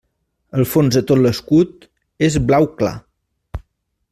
El fons de tot l'escut és blau clar.